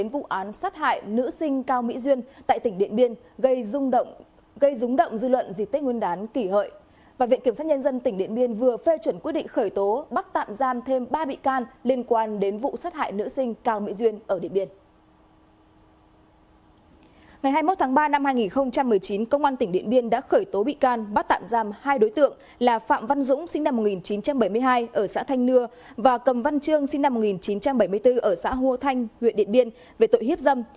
ngày hai mươi một tháng ba năm hai nghìn một mươi chín công an tỉnh điện biên đã khởi tố bị can bắt tạm giam hai đối tượng là phạm văn dũng sinh năm một nghìn chín trăm bảy mươi hai ở xã thanh nưa và cầm văn trương sinh năm một nghìn chín trăm bảy mươi bốn ở xã hô thanh huyện điện biên về tội hiếp dâm